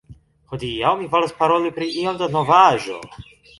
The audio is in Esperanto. Hodiaŭ mi volas paroli pri iom da novaĵo